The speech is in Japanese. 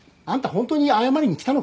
本当に謝りにきたのか？